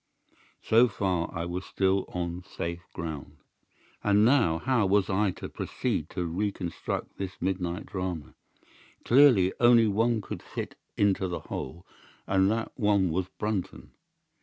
So far I was still on safe ground. "And now how was I to proceed to reconstruct this midnight drama? Clearly, only one could fit into the hole, and that one was Brunton.